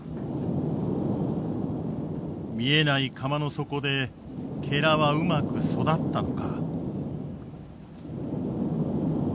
見えない釜の底ではうまく育ったのか。